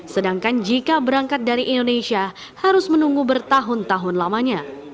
sedangkan jika berangkat dari indonesia harus menunggu bertahun tahun lamanya